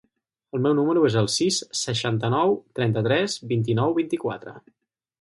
El meu número es el sis, seixanta-nou, trenta-tres, vint-i-nou, vint-i-quatre.